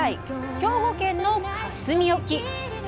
兵庫県の香住沖。